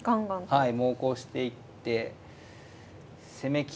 はい。